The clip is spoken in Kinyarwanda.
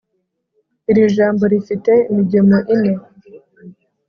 iri jambo rifite imigemo ine.